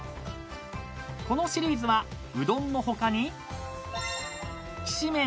［このシリーズはうどんの他にきしめん